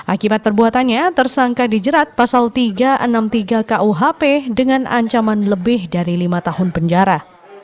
akibat perbuatannya tersangka dijerat pasal tiga ratus enam puluh tiga kuhp dengan ancaman lebih dari lima tahun penjara